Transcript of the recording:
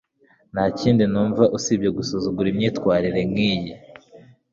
nta kindi numva usibye gusuzugura imyitwarire nkiyi